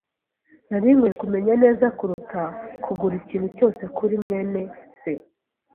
Nari nkwiye kumenya neza kuruta kugura ikintu cyose kuri mwene se.